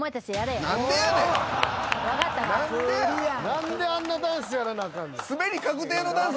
何であんなダンスやらなあかんねん。